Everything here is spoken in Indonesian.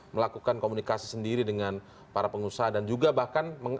melakukan komunikasi sendiri dengan para pengusaha dan juga bahkan